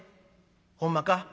「ほんまか。